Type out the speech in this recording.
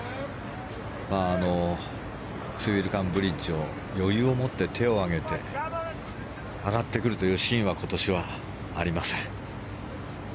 スウィルカンブリッジを余裕を持って手を上げて帰ってくるというシーンは今年はありません。